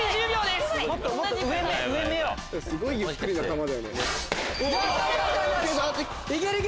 すごいゆっくりだよね。